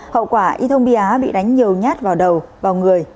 hậu quả y thông bì á bị đánh nhiều nhát vào đầu vào người